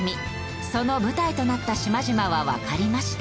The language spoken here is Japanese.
その舞台となった島々はわかりました。